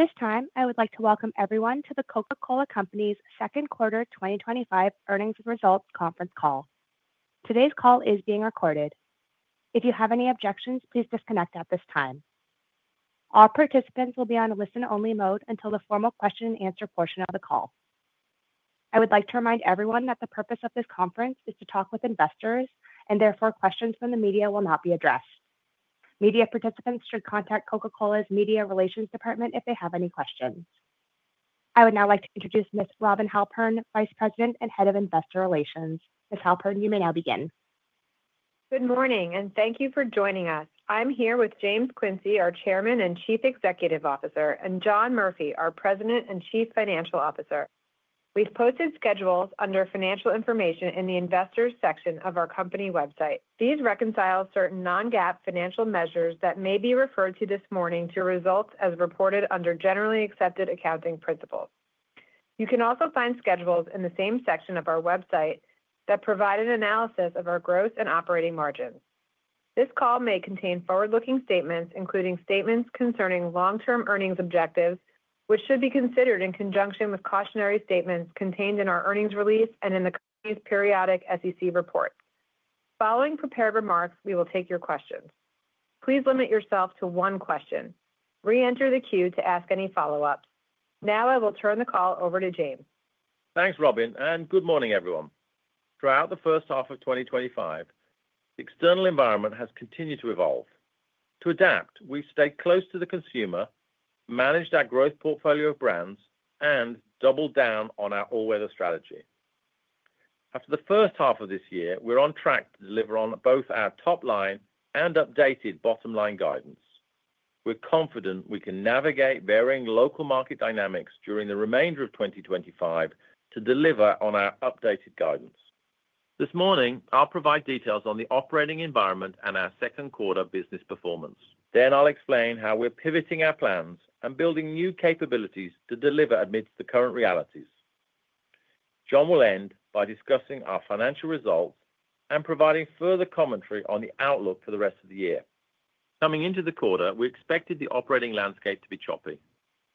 At this time, I would like to welcome everyone to The Coca-Cola Company's second quarter 2025 earnings and results conference call. Today's call is being recorded. If you have any objections, please disconnect at this time. All participants will be on a listen-only mode until the formal question-and-answer portion of the call. I would like to remind everyone that the purpose of this conference is to talk with investors, and therefore questions from the media will not be addressed. Media participants should contact Coca-Cola's Media Relations Department if they have any questions. I would now like to introduce Ms. Robin Halpern, Vice President and Head of Investor Relations. Ms. Halpern, you may now begin. Good morning, and thank you for joining us. I'm here with James Quincey, our Chairman and Chief Executive Officer, and John Murphy, our President and Chief Financial Officer. We've posted schedules under financial information in the Investors section of our company website. These reconcile certain non-GAAP financial measures that may be referred to this morning to results as reported under generally accepted accounting principles. You can also find schedules in the same section of our website that provide an analysis of our gross and operating margins. This call may contain forward-looking statements, including statements concerning long-term earnings objectives, which should be considered in conjunction with cautionary statements contained in our earnings release and in the company's periodic SEC reports. Following prepared remarks, we will take your questions. Please limit yourself to one question. Re-enter the queue to ask any follow-ups. Now I will turn the call over to James. Thanks, Robin, and good morning, everyone. Throughout the first half of 2025, the external environment has continued to evolve. To adapt, we've stayed close to the consumer, managed our growth portfolio of brands, and doubled down on our all-weather strategy. After the first half of this year, we're on track to deliver on both our top-line and updated bottom-line guidance. We're confident we can navigate varying local market dynamics during the remainder of 2025 to deliver on our updated guidance. This morning, I'll provide details on the operating environment and our second quarter business performance. Then I'll explain how we're pivoting our plans and building new capabilities to deliver amidst the current realities. John will end by discussing our financial results and providing further commentary on the outlook for the rest of the year. Coming into the quarter, we expected the operating landscape to be choppy.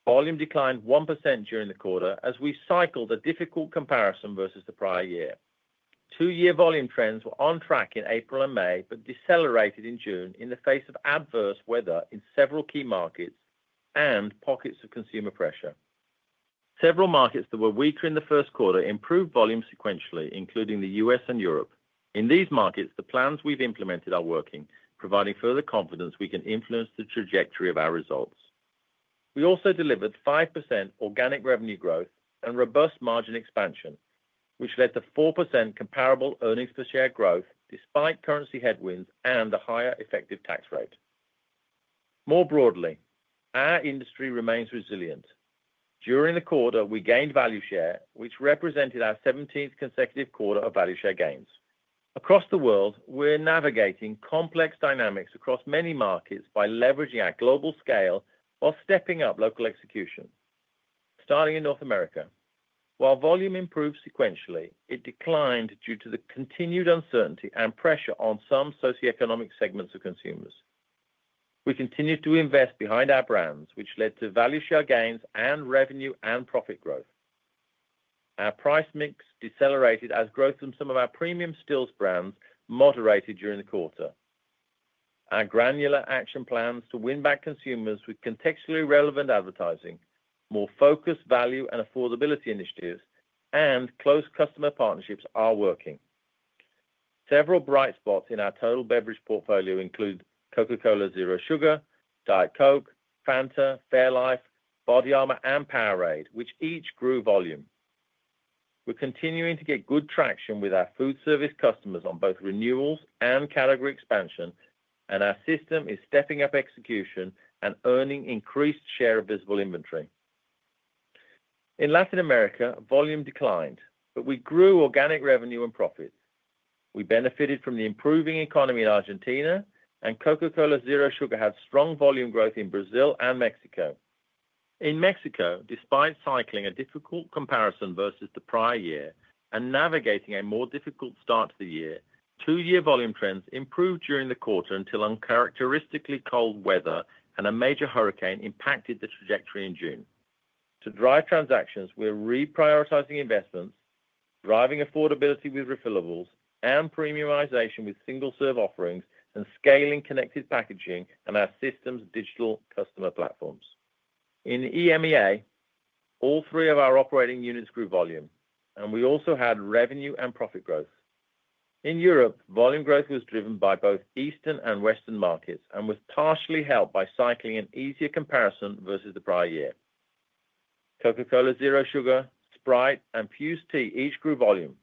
Volume declined 1% during the quarter as we cycled a difficult comparison versus the prior year. Two-year volume trends were on track in April and May but decelerated in June in the face of adverse weather in several key markets and pockets of consumer pressure. Several markets that were weaker in the first quarter improved volume sequentially, including the U.S. and Europe. In these markets, the plans we've implemented are working, providing further confidence we can influence the trajectory of our results. We also delivered 5% organic revenue growth and robust margin expansion, which led to 4% comparable earnings per share growth despite currency headwinds and a higher effective tax rate. More broadly, our industry remains resilient. During the quarter, we gained value share, which represented our 17th consecutive quarter of value share gains. Across the world, we're navigating complex dynamics across many markets by leveraging our global scale while stepping up local execution. Starting in North America, while volume improved sequentially, it declined due to the continued uncertainty and pressure on some socioeconomic segments of consumers. We continued to invest behind our brands, which led to value share gains and revenue and profit growth. Our price mix decelerated as growth in some of our premium stills brands moderated during the quarter. Our granular action plans to win back consumers with contextually relevant advertising, more focused value and affordability initiatives, and close customer partnerships are working. Several bright spots in our total beverage portfolio include Coca-Cola Zero Sugar, Diet Coke, Fanta, fairlife, BODYARMOR, and Powerade, which each grew volume. We're continuing to get good traction with our food service customers on both renewals and category expansion, and our system is stepping up execution and earning increased share of visible inventory. In Latin America, volume declined, but we grew organic revenue and profits. We benefited from the improving economy in Argentina, and Coca-Cola Zero Sugar had strong volume growth in Brazil and Mexico. In Mexico, despite cycling a difficult comparison versus the prior year and navigating a more difficult start to the year, two-year volume trends improved during the quarter until uncharacteristically cold weather and a major hurricane impacted the trajectory in June. To drive transactions, we're reprioritizing investments, driving affordability with refillables, and premiumization with single-serve offerings and scaling connected packaging and our system's digital customer platforms. In EMEA, all three of our operating units grew volume, and we also had revenue and profit growth. In Europe, volume growth was driven by both Eastern and Western markets and was partially helped by cycling an easier comparison versus the prior year. Coca-Cola Zero Sugar, Sprite, and Fuze Tea each grew volume.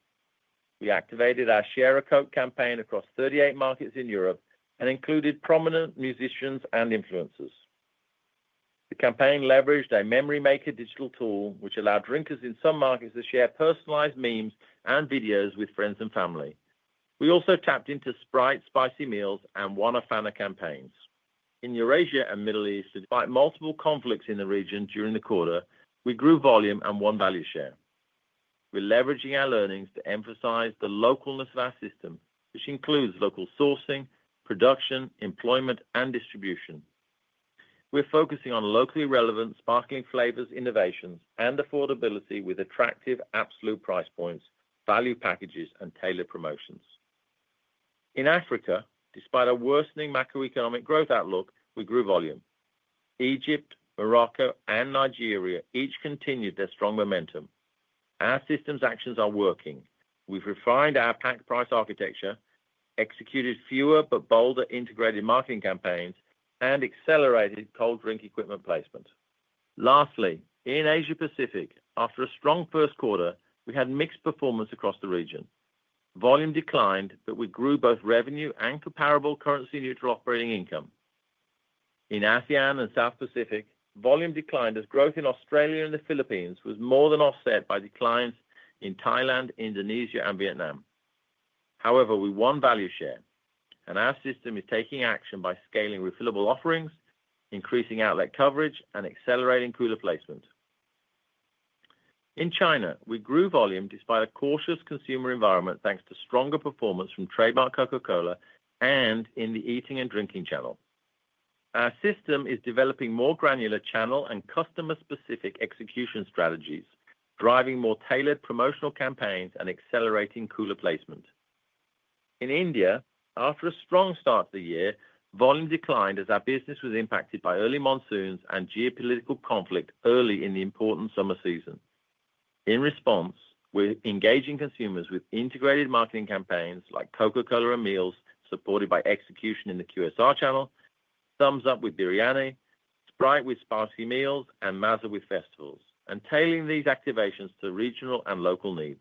We activated our Share a Coke campaign across 38 markets in Europe and included prominent musicians and influencers. The campaign leveraged a memory maker digital tool, which allowed drinkers in some markets to share personalized memes and videos with friends and family. We also tapped into Sprite, Spicy Meals, and Wanta Fanta campaigns. In Eurasia and the Middle East, despite multiple conflicts in the region during the quarter, we grew volume and won value share. We're leveraging our learnings to emphasize the localliness of our system, which includes local sourcing, production, employment, and distribution. We're focusing on locally relevant sparkling flavors, innovations, and affordability with attractive absolute price points, value packages, and tailored promotions. In Africa, despite a worsening macroeconomic growth outlook, we grew volume. Egypt, Morocco, and Nigeria each continued their strong momentum. Our system's actions are working. We've refined our pack price architecture, executed fewer but bolder integrated marketing campaigns, and accelerated cold drink equipment placement. Lastly, in Asia-Pacific, after a strong first quarter, we had mixed performance across the region. Volume declined, but we grew both revenue and comparable currency-neutral operating income. In ASEAN and South Pacific, volume declined as growth in Australia and the Philippines was more than offset by declines in Thailand, Indonesia, and Vietnam. However, we won value share, and our system is taking action by scaling refillable offerings, increasing outlet coverage, and accelerating cooler placement. In China, we grew volume despite a cautious consumer environment thanks to stronger performance from trademark Coca-Cola and in the eating and drinking channel. Our system is developing more granular channel and customer-specific execution strategies, driving more tailored promotional campaigns and accelerating cooler placement. In India, after a strong start to the year, volume declined as our business was impacted by early monsoons and geopolitical conflict early in the important summer season. In response, we're engaging consumers with integrated marketing campaigns like Coca-Cola and Meals supported by execution in the QSR channel, Thums Up with Biryani, Sprite with Spicy Meals, and Maaza with Festivals, and tailoring these activations to regional and local needs.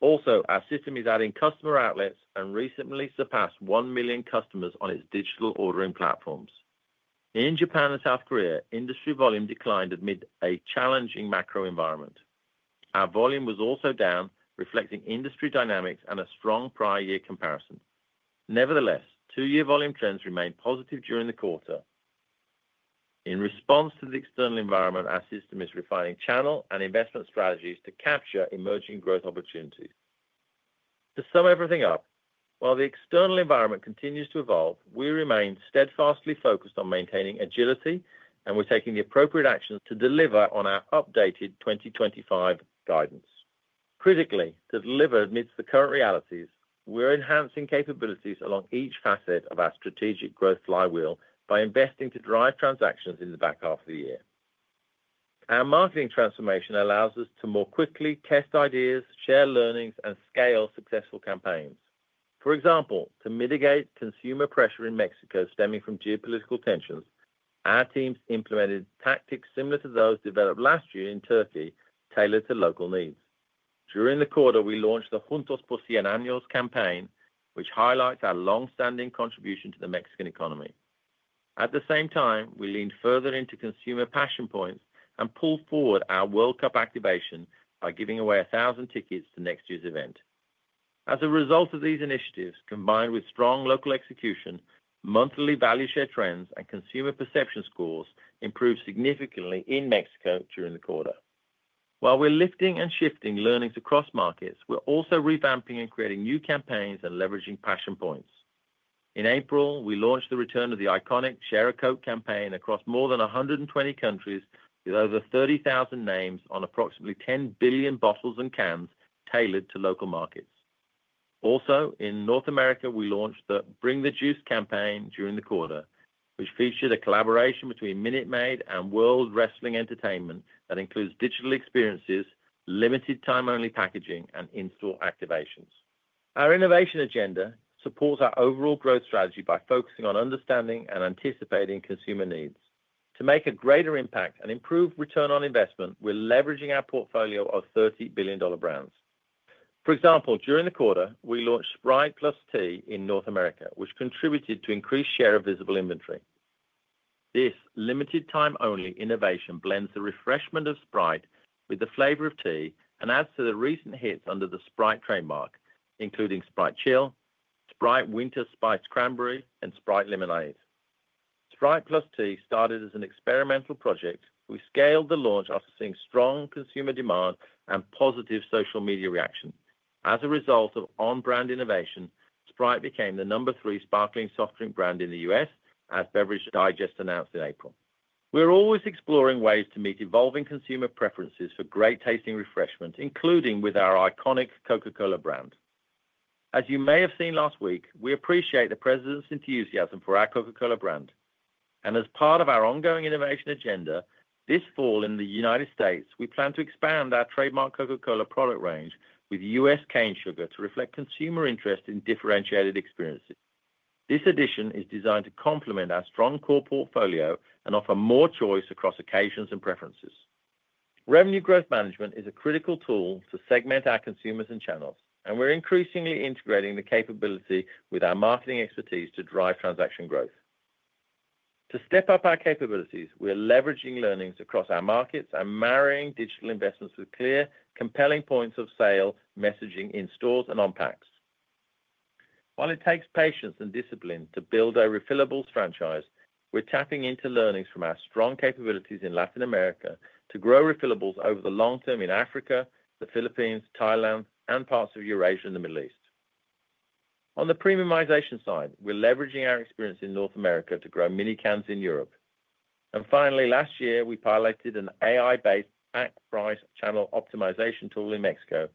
Also, our system is adding customer outlets and recently surpassed one million customers on its digital ordering platforms. In Japan and South Korea, industry volume declined amid a challenging macro environment. Our volume was also down, reflecting industry dynamics and a strong prior-year comparison. Nevertheless, two-year volume trends remained positive during the quarter. In response to the external environment, our system is refining channel and investment strategies to capture emerging growth opportunities. To sum everything up, while the external environment continues to evolve, we remain steadfastly focused on maintaining agility, and we're taking the appropriate actions to deliver on our updated 2025 guidance. Critically, to deliver amidst the current realities, we're enhancing capabilities along each facet of our strategic growth flywheel by investing to drive transactions in the back half of the year. Our marketing transformation allows us to more quickly test ideas, share learnings, and scale successful campaigns. For example, to mitigate consumer pressure in Mexico stemming from geopolitical tensions, our teams implemented tactics similar to those developed last year in Turkey, tailored to local needs. During the quarter, we launched the Juntos por Cien Años campaign, which highlights our long-standing contribution to the Mexican economy. At the same time, we leaned further into consumer passion points and pulled forward our World Cup activation by giving away 1,000 tickets to next year's event. As a result of these initiatives, combined with strong local execution, monthly value share trends and consumer perception scores improved significantly in Mexico during the quarter. While we're lifting and shifting learnings across markets, we're also revamping and creating new campaigns and leveraging passion points. In April, we launched the return of the iconic Share a Coke campaign across more than 120 countries with over 30,000 names on approximately 10 billion bottles and cans tailored to local markets. Also, in North America, we launched the Bring the Juice campaign during the quarter, which featured a collaboration between Minute Maid and World Wrestling Entertainment that includes digital experiences, limited-time-only packaging, and install activations. Our innovation agenda supports our overall growth strategy by focusing on understanding and anticipating consumer needs. To make a greater impact and improve return on investment, we're leveraging our portfolio of $30 billion brands. For example, during the quarter, we launched Sprite + Tea in North America, which contributed to increased share of visible inventory. This limited-time-only innovation blends the refreshment of Sprite with the flavor of tea and adds to the recent hits under the Sprite trademark, including Sprite Chill, Sprite Winter Spiced Cranberry, and Sprite Lemonade. Sprite + Tea started as an experimental project. We scaled the launch after seeing strong consumer demand and positive social media reaction. As a result of on-brand innovation, Sprite became the number three sparkling soft drink brand in the U.S., as Beverage Digest announced in April. We're always exploring ways to meet evolving consumer preferences for great tasting refreshment, including with our iconic Coca-Cola brand. As you may have seen last week, we appreciate the president's enthusiasm for our Coca-Cola brand. As part of our ongoing innovation agenda this fall in the U.S., we plan to expand our trademark Coca-Cola product range with U.S. Cane Sugar to reflect consumer interest in differentiated experiences. This addition is designed to complement our strong core portfolio and offer more choice across occasions and preferences. Revenue growth management is a critical tool to segment our consumers and channels, and we're increasingly integrating the capability with our marketing expertise to drive transaction growth. To step up our capabilities, we're leveraging learnings across our markets and marrying digital investments with clear, compelling points of sale messaging in stores and on packs. While it takes patience and discipline to build a refillables franchise, we're tapping into learnings from our strong capabilities in Latin America to grow refillables over the long term in Africa, the Philippines, Thailand, and parts of Eurasia and the Middle East. On the premiumization side, we're leveraging our experience in North America to grow mini cans in Europe. Finally, last year, we piloted an AI-based pack price channel optimization tool in Mexico.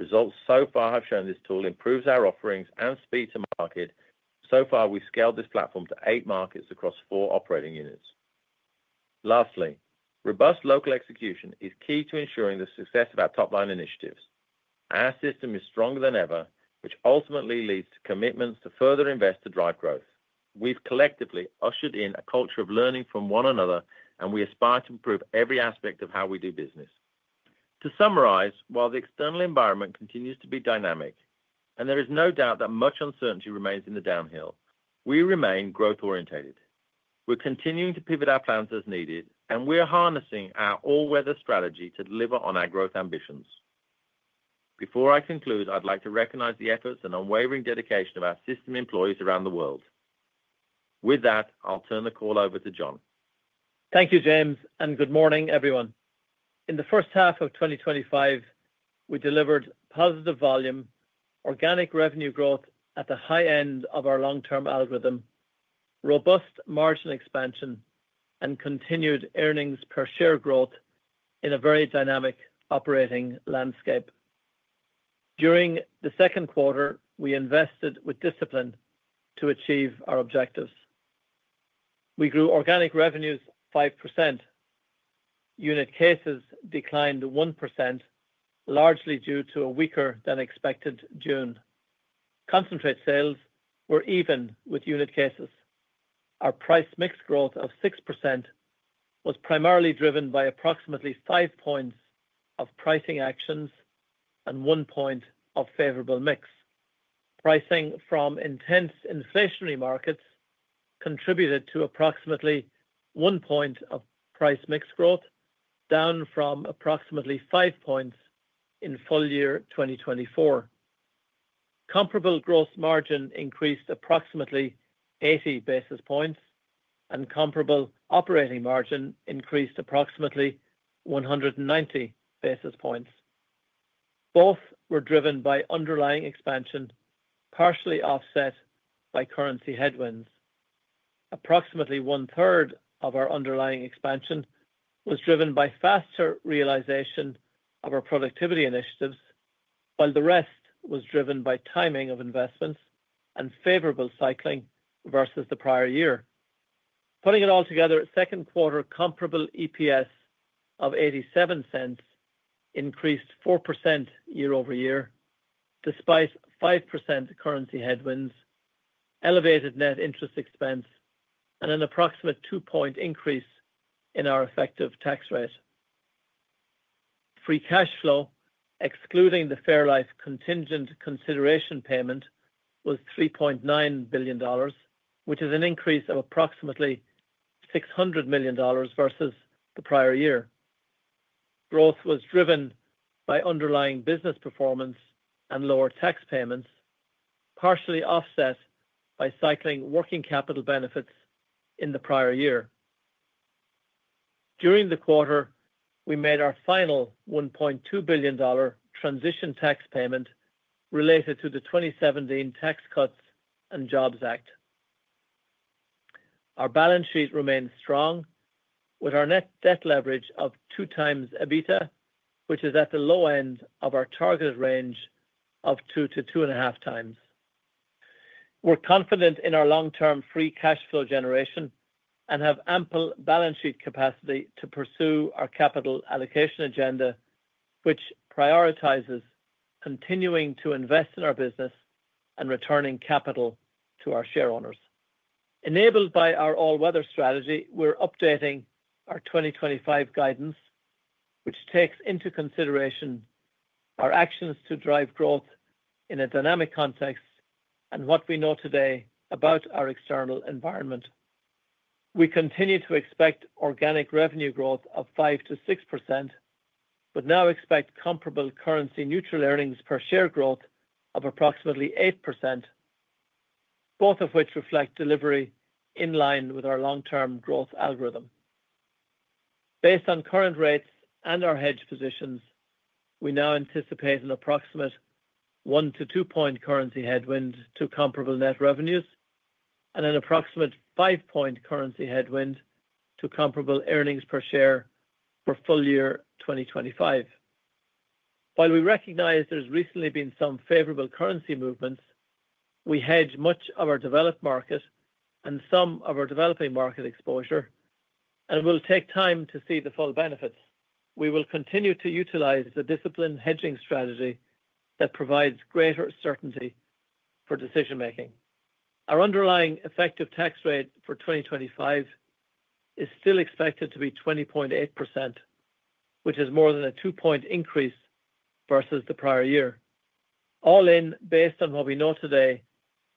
Results so far have shown this tool improves our offerings and speed to market. So far, we've scaled this platform to eight markets across four operating units. Lastly, robust local execution is key to ensuring the success of our top-line initiatives. Our system is stronger than ever, which ultimately leads to commitments to further invest to drive growth. We've collectively ushered in a culture of learning from one another, and we aspire to improve every aspect of how we do business. To summarize, while the external environment continues to be dynamic, and there is no doubt that much uncertainty remains in the downhill, we remain growth-orientated. We're continuing to pivot our plans as needed, and we're harnessing our all-weather strategy to deliver on our growth ambitions. Before I conclude, I'd like to recognize the efforts and unwavering dedication of our system employees around the world. With that, I'll turn the call over to John. Thank you, James, and good morning, everyone. In the first half of 2025, we delivered positive volume, organic revenue growth at the high end of our long-term algorithm, robust margin expansion, and continued earnings per share growth in a very dynamic operating landscape. During the second quarter, we invested with discipline to achieve our objectives. We grew organic revenues 5%. Unit cases declined 1%, largely due to a weaker-than-expected June. Concentrate sales were even with unit cases. Our price mix growth of 6% was primarily driven by approximately five points of pricing actions and one point of favorable mix. Pricing from intense inflationary markets contributed to approximately 1 point of price mix growth, down from approximately five points in full year 2024. Comparable gross margin increased approximately 80 basis points, and comparable operating margin increased approximately 190 basis points. Both were driven by underlying expansion, partially offset by currency headwinds. Approximately 1/3 of our underlying expansion was driven by faster realization of our productivity initiatives, while the rest was driven by timing of investments and favorable cycling versus the prior year. Putting it all together, second quarter comparable EPS of $0.87 increased 4% year over year, despite 5% currency headwinds, elevated net interest expense, and an approximate 2-point increase in our effective tax rate. Free cash flow, excluding the Fairlife contingent consideration payment, was $3.9 billion, which is an increase of approximately $600 million versus the prior year. Growth was driven by underlying business performance and lower tax payments, partially offset by cycling working capital benefits in the prior year. During the quarter, we made our final $1.2 billion transition tax payment related to the 2017 Tax Cuts and Jobs Act. Our balance sheet remained strong, with our net debt leverage of 2 times EBITDA, which is at the low end of our target range of 2-2.5x. We're confident in our long-term free cash flow generation and have ample balance sheet capacity to pursue our capital allocation agenda, which prioritizes continuing to invest in our business and returning capital to our shareholders. Enabled by our all-weather strategy, we're updating our 2025 guidance, which takes into consideration our actions to drive growth in a dynamic context and what we know today about our external environment. We continue to expect organic revenue growth of 5-6%, but now expect comparable currency-neutral earnings per share growth of approximately 8%, both of which reflect delivery in line with our long-term growth algorithm. Based on current rates and our hedge positions, we now anticipate an approximate 1-2% currency headwind to comparable net revenues and an approximate 5% currency headwind to comparable earnings per share for full year 2025. While we recognize there's recently been some favorable currency movements, we hedge much of our developed market and some of our developing market exposure, and we'll take time to see the full benefits. We will continue to utilize the disciplined hedging strategy that provides greater certainty for decision-making. Our underlying effective tax rate for 2025 is still expected to be 20.8%, which is more than a 2-point increase versus the prior year. All in, based on what we know today,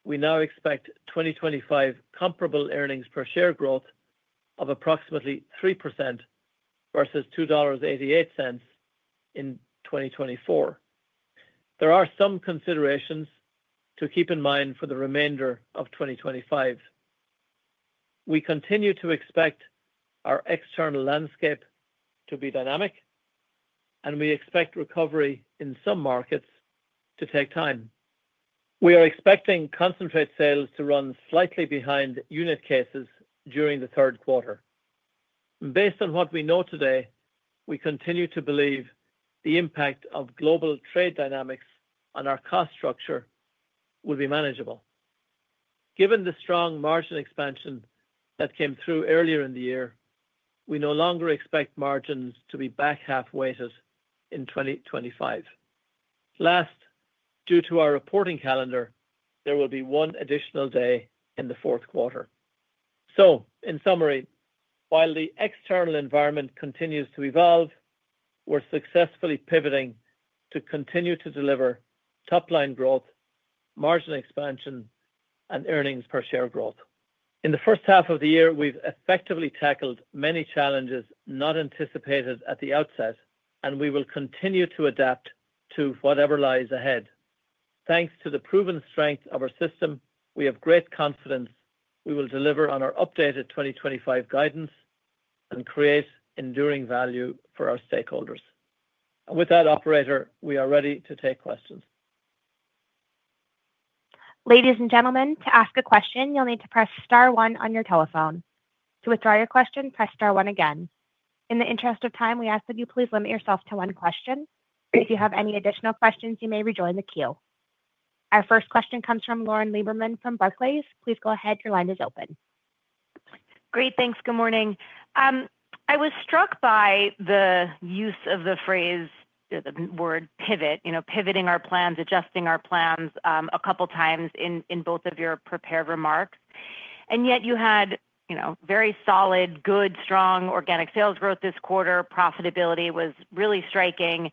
we now expect 2025 comparable earnings per share growth of approximately 3% versus $2.88 in 2024. There are some considerations to keep in mind for the remainder of 2025. We continue to expect our external landscape to be dynamic, and we expect recovery in some markets to take time. We are expecting concentrate sales to run slightly behind unit cases during the third quarter. Based on what we know today, we continue to believe the impact of global trade dynamics on our cost structure will be manageable. Given the strong margin expansion that came through earlier in the year, we no longer expect margins to be back half-weighted in 2025. Last, due to our reporting calendar, there will be one additional day in the fourth quarter. In summary, while the external environment continues to evolve, we're successfully pivoting to continue to deliver top-line growth, margin expansion, and earnings per share growth. In the first half of the year, we've effectively tackled many challenges not anticipated at the outset, and we will continue to adapt to whatever lies ahead. Thanks to the proven strength of our system, we have great confidence we will deliver on our updated 2025 guidance and create enduring value for our stakeholders. With that, Operator, we are ready to take questions. Ladies and gentlemen, to ask a question, you'll need to press Star 1 on your telephone. To withdraw your question, press star one again. In the interest of time, we ask that you please limit yourself to one question. If you have any additional questions, you may rejoin the queue. Our first question comes from Lauren Lieberman from Barclays. Please go ahead. Your line is open. Great. Thanks. Good morning. I was struck by the use of the phrase, the word pivot, you know, pivoting our plans, adjusting our plans a couple of times in both of your prepared remarks. Yet you had very solid, good, strong organic sales growth this quarter. Profitability was really striking.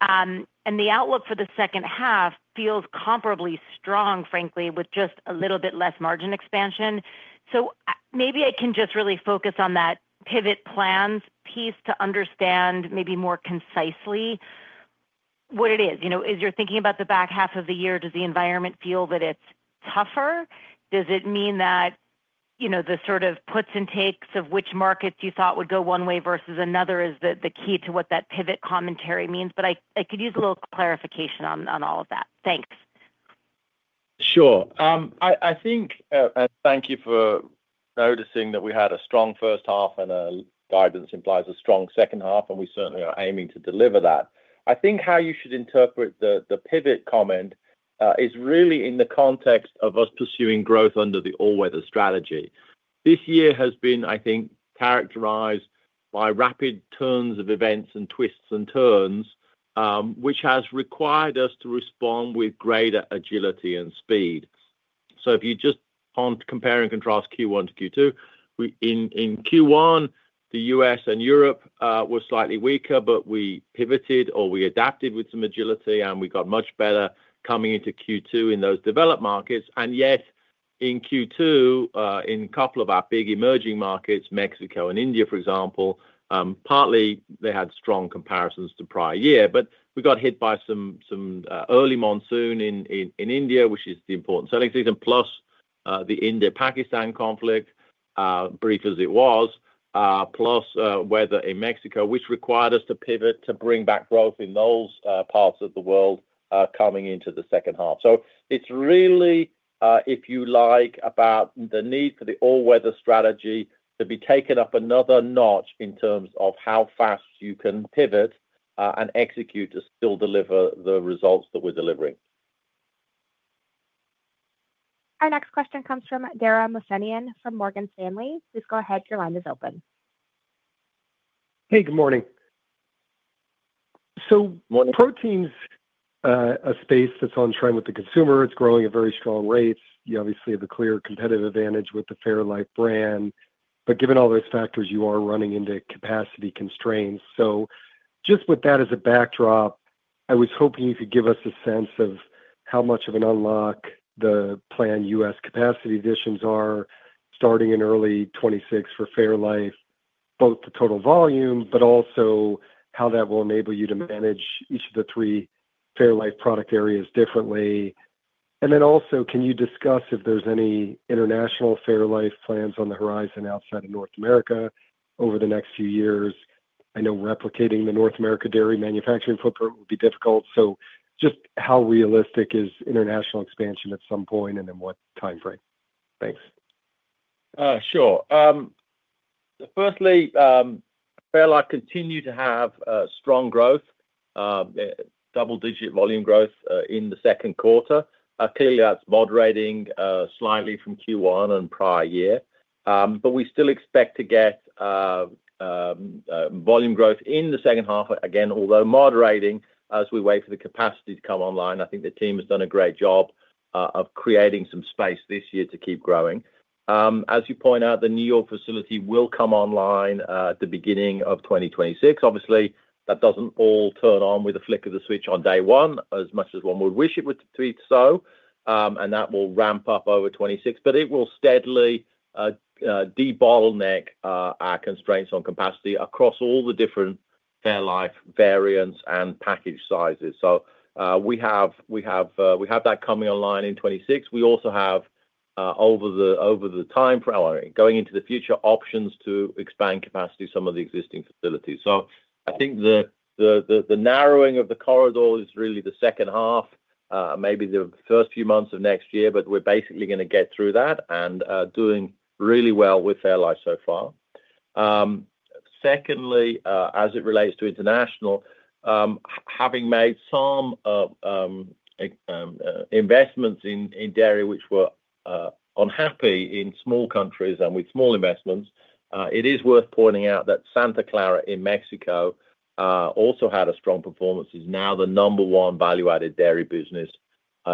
The outlook for the second half feels comparably strong, frankly, with just a little bit less margin expansion. Maybe I can just really focus on that pivot plans piece to understand maybe more concisely what it is. You know, as you're thinking about the back half of the year, does the environment feel that it's tougher? Does it mean that, you know, the sort of puts and takes of which markets you thought would go one way versus another is the key to what that pivot commentary means? I could use a little clarification on all of that. Thanks. Sure. I think, and thank you for noticing that we had a strong first half, and guidance implies a strong second half, and we certainly are aiming to deliver that. I think how you should interpret the pivot comment is really in the context of us pursuing growth under the all-weather strategy. This year has been, I think, characterized by rapid turns of events and twists and turns, which has required us to respond with greater agility and speed. If you just compare and contrast Q1 to Q2, in Q1, the U.S. and Europe were slightly weaker, but we pivoted or we adapted with some agility, and we got much better coming into Q2 in those developed markets. Yet in Q2, in a couple of our big emerging markets, Mexico and India, for example, partly they had strong comparisons to prior year, but we got hit by some early monsoon in India, which is the important selling season, plus the India-Pakistan conflict, brief as it was, plus weather in Mexico, which required us to pivot to bring back growth in those parts of the world coming into the second half. It's really, if you like, about the need for the all-weather strategy to be taken up another notch in terms of how fast you can pivot and execute to still deliver the results that we're delivering. Our next question comes from Dara Mohsenian from Morgan Stanley. Please go ahead. Your line is open. Hey, good morning. Protein's a space that's on trend with the consumer. It's growing at very strong rates. You obviously have a clear competitive advantage with the fairlife brand. Given all those factors, you are running into capacity constraints. Just with that as a backdrop, I was hoping you could give us a sense of how much of an unlock the planned U.S. capacity additions are starting in early 2026 for fairlife, both the total volume, but also how that will enable you to manage each of the three fairlife product areas differently. Can you discuss if there's any international Fairlife plans on the horizon outside of North America over the next few years? I know replicating the North America dairy manufacturing footprint will be difficult. Just how realistic is international expansion at some point and in what time frame? Thanks. Sure. Firstly, Fairlife continues to have strong growth, double-digit volume growth in the second quarter. Clearly, that's moderating slightly from Q1 and prior year. We still expect to get volume growth in the second half again, although moderating as we wait for the capacity to come online. I think the team has done a great job of creating some space this year to keep growing. As you point out, the New York facility will come online at the beginning of 2026. Obviously, that does not all turn on with a flick of the switch on day one, as much as one would wish it were to be so. That will ramp up over 2026, but it will steadily de-bottleneck our constraints on capacity across all the different Fairlife variants and package sizes. We have that coming online in 2026. We also have, over the time frame, going into the future, options to expand capacity to some of the existing facilities. I think the narrowing of the corridor is really the second half, maybe the first few months of next year, but we are basically going to get through that and doing really well with Fairlife so far. Secondly, as it relates to international, having made some investments in dairy, which were unhappy in small countries and with small investments, it is worth pointing out that Santa Clara in Mexico also had a strong performance. It's now the number one value-added dairy business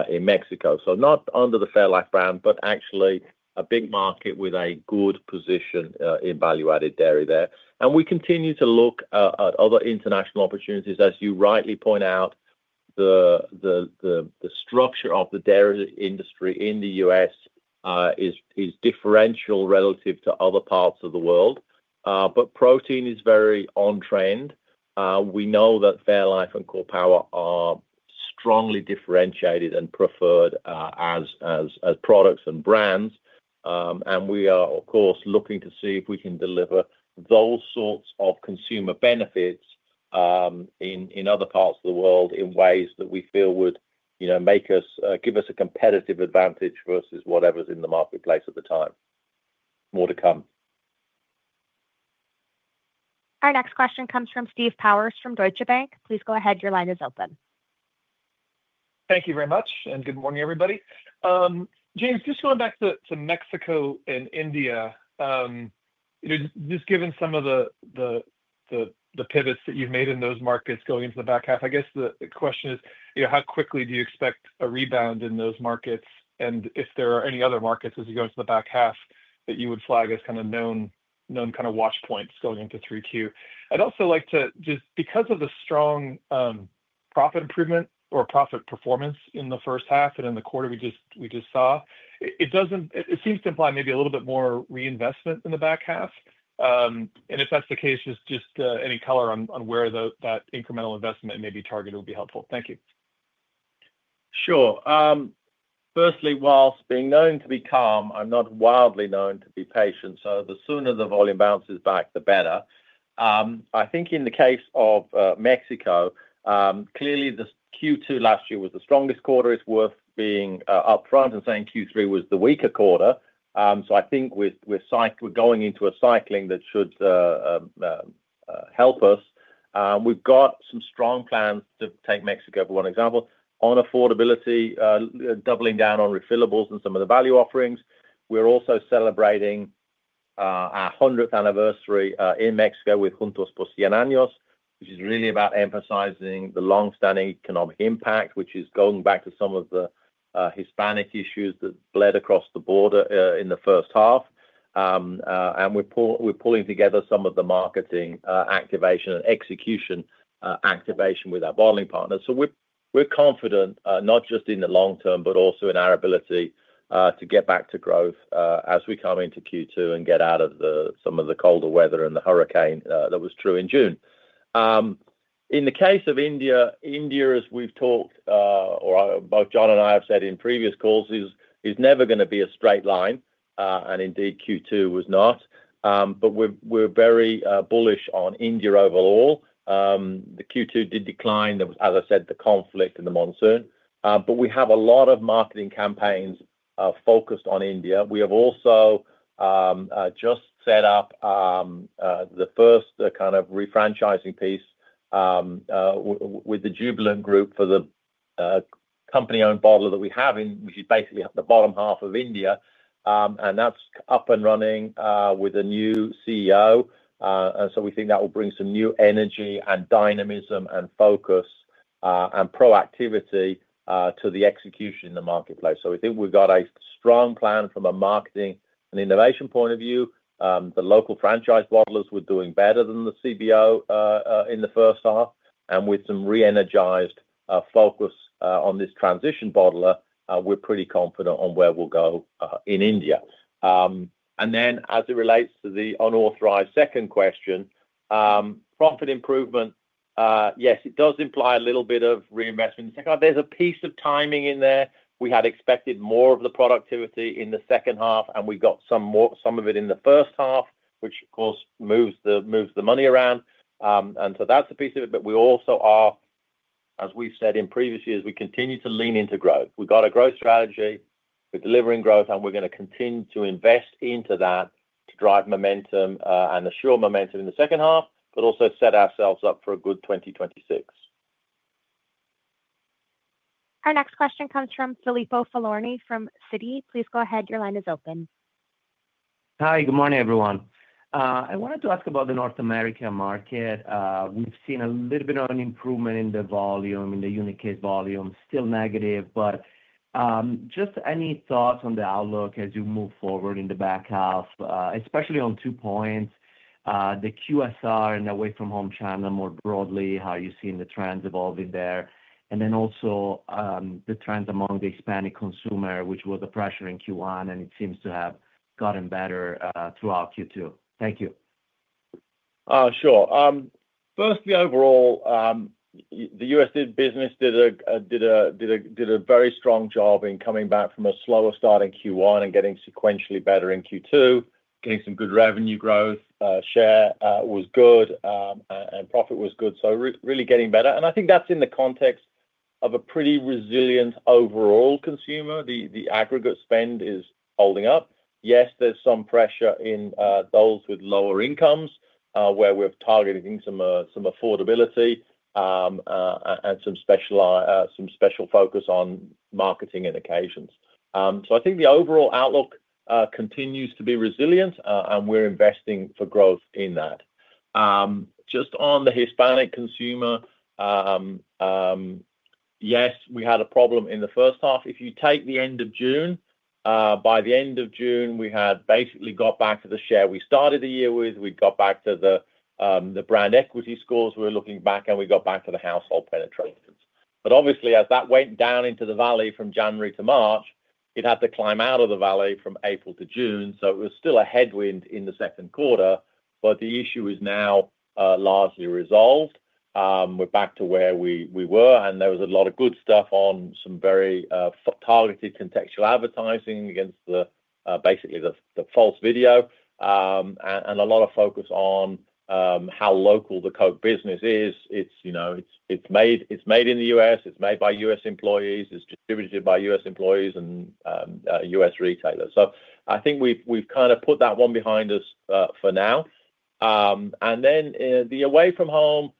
in Mexico. Not under the fairlife brand, but actually a big market with a good position in value-added dairy there. We continue to look at other international opportunities. As you rightly point out, the structure of the dairy industry in the U.S. is differential relative to other parts of the world. Protein is very on trend. We know that fairlife and Core Power are strongly differentiated and preferred as products and brands. We are, of course, looking to see if we can deliver those sorts of consumer benefits in other parts of the world in ways that we feel would give us a competitive advantage versus whatever is in the marketplace at the time. More to come. Our next question comes from Steve Powers from Deutsche Bank. Please go ahead. Your line is open. Thank you very much. Good morning, everybody. James, just going back to Mexico and India, just given some of the pivots that you have made in those markets going into the back half, I guess the question is, how quickly do you expect a rebound in those markets? If there are any other markets as you go into the back half that you would flag as kind of known kind of watch points going into 2032? I'd also like to just, because of the strong profit improvement or profit performance in the first half and in the quarter we just saw, it seems to imply maybe a little bit more reinvestment in the back half. If that's the case, just any color on where that incremental investment may be targeted would be helpful. Thank you. Sure. Firstly, whilst being known to be calm, I'm not wildly known to be patient. The sooner the volume bounces back, the better. I think in the case of Mexico, clearly the Q2 last year was the strongest quarter. It's worth being upfront and saying Q3 was the weaker quarter. I think we're going into a cycling that should help us. We've got some strong plans to take Mexico, for one example, on affordability, doubling down on refillables and some of the value offerings. We're also celebrating our 100th anniversary in Mexico with Juntos por Cien Años, which is really about emphasizing the long-standing economic impact, which is going back to some of the Hispanic issues that bled across the border in the first half. We're pulling together some of the marketing activation and execution activation with our bottling partners. We're confident, not just in the long term, but also in our ability to get back to growth as we come into Q2 and get out of some of the colder weather and the hurricane that was true in June. In the case of India, India, as we've talked, or both John and I have said in previous calls, is never going to be a straight line. Indeed, Q2 was not. We're very bullish on India overall. The Q2 did decline. There was, as I said, the conflict and the monsoon. We have a lot of marketing campaigns focused on India. We have also just set up the first kind of refranchising piece with the Jubilant Group for the company-owned bottler that we have in, which is basically the bottom half of India. That is up and running with a new CEO. We think that will bring some new energy and dynamism and focus and proactivity to the execution in the marketplace. We think we have got a strong plan from a marketing and innovation point of view. The local franchise bottlers were doing better than the CBO in the first half. With some re-energized focus on this transition bottler, we are pretty confident on where we will go in India. As it relates to the unauthorized second question, profit improvement, yes, it does imply a little bit of reinvestment. There is a piece of timing in there. We had expected more of the productivity in the second half, and we got some of it in the first half, which, of course, moves the money around. That is a piece of it. We also are, as we have said in previous years, we continue to lean into growth. We have got a growth strategy. We are delivering growth, and we are going to continue to invest into that to drive momentum and assure momentum in the second half, but also set ourselves up for a good 2026. Our next question comes from Filippo Falorni from Citi. Please go ahead. Your line is open. Hi. Good morning, everyone. I wanted to ask about the North America market. We've seen a little bit of an improvement in the volume, in the unit case volume, still negative. Just any thoughts on the outlook as you move forward in the back half, especially on two points, the QSR and away-from-home channel more broadly, how you're seeing the trends evolving there, and then also the trends among the Hispanic consumer, which was a pressure in Q1, and it seems to have gotten better throughout Q2. Thank you. Sure. Firstly, overall, the U.S. business did a very strong job in coming back from a slower start in Q1 and getting sequentially better in Q2, getting some good revenue growth. Share was good, and profit was good. Really getting better. I think that's in the context of a pretty resilient overall consumer. The aggregate spend is holding up. Yes, there's some pressure in those with lower incomes where we're targeting some affordability and some special focus on marketing and occasions. I think the overall outlook continues to be resilient, and we're investing for growth in that. Just on the Hispanic consumer, yes, we had a problem in the first half. If you take the end of June, by the end of June, we had basically got back to the share we started the year with. We got back to the brand equity scores. We were looking back, and we got back to the household penetrations. Obviously, as that went down into the valley from January to March, it had to climb out of the valley from April to June. It was still a headwind in the second quarter, but the issue is now largely resolved. We're back to where we were, and there was a lot of good stuff on some very targeted contextual advertising against basically the false video and a lot of focus on how local the coke business is. It's made in the U.S. It's made by U.S. employees. It's distributed by U.S. employees and U.S. retailers. I think we've kind of put that one behind us for now. The away-from-home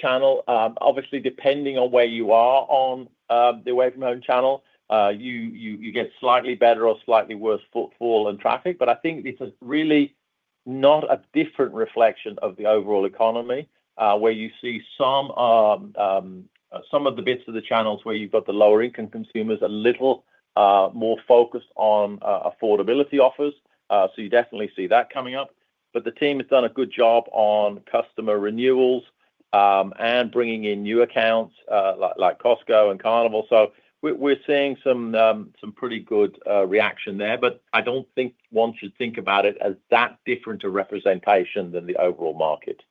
channel, obviously, depending on where you are on the away-from-home channel, you get slightly better or slightly worse footfall and traffic. I think this is really not a different reflection of the overall economy where you see some of the bits of the channels where you've got the lower-income consumers a little more focused on affordability offers. You definitely see that coming up. But the team has done a good job on customer renewals and bringing in new accounts like Costco and Carnival. We're seeing some pretty good reaction there. I don't think one should think about it as that different a representation than the overall market.